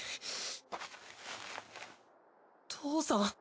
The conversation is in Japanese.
父さん？